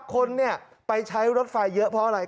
คนไปใช้รถไฟเยอะเพราะอะไร